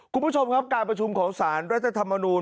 คุณผู้ชมครับการประชุมของสารรัฐธรรมนูล